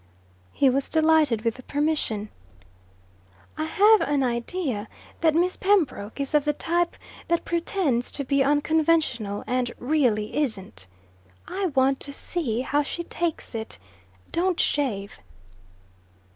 He was delighted with the permission. "I have an idea that Miss Pembroke is of the type that pretends to be unconventional and really isn't. I want to see how she takes it. Don't shave."